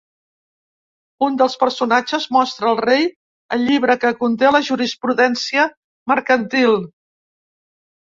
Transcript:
Un dels personatges mostra al rei el llibre que conté la jurisprudència mercantil.